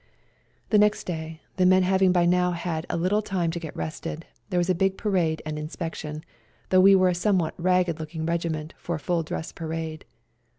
The next day, the men having by now had a little time to get rested, there was a big parade and inspection, though we were a somewhat ragged looking regiment for a full dress parade.